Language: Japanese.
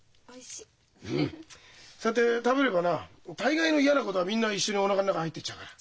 そうやって食べればな大概の嫌なことはみんな一緒におなかの中入ってっちゃうから。